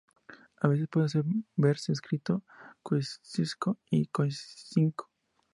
A veces puede verse escrito Kosciuszko o Kosciusko.